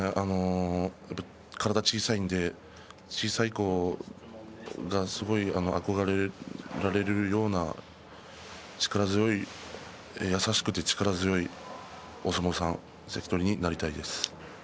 体が小さいんで小さい子にすごく憧れられるような、力強い優しくて力強いお相撲さん関取になりたいです。